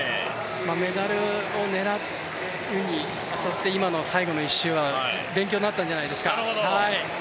メダルを狙うに当たって最後の１周は勉強になったんじゃないですか。